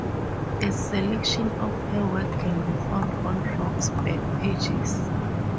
A selection of her work can be found on Rock's Back Pages.